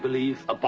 パパ。